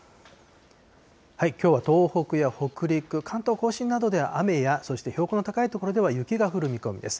きょうは東北や北陸、関東甲信などで雨やそして標高の高い所では雪が降る見込みです。